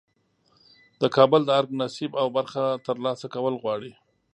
د کابل د ارګ نصیب او برخه ترلاسه کول غواړي.